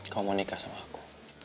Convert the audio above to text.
kau mau nikah sama aku